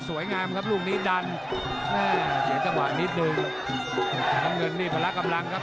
สวยงามครับลูกนี้ดันแม่เสียจังหวะนิดนึงแต่น้ำเงินนี่พละกำลังครับ